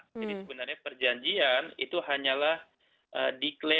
jadi sebenarnya perjanjian itu hanyalah diklaim